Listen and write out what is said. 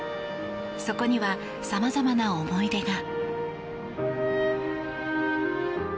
そこにはさまざまな思い出が。